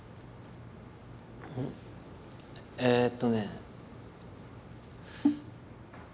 えっとね。